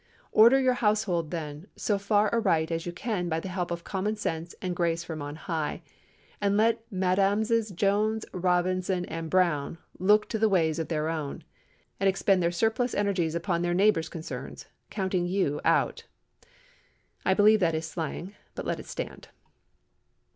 Order your household, then, so far aright as you can by the help of common sense and grace from on high, and let Mesdames Jones, Robinson, and Brown look to the ways of their own, and expend their surplus energies upon their neighbors' concerns—counting you out. (I believe that is slang, but let it stand!)